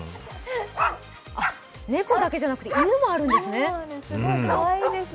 猫だけじゃなくて犬もあるんですね。